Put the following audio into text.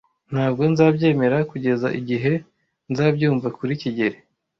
Ntabwo nzabyemera kugeza igihe nzabyumva kuri kigeli.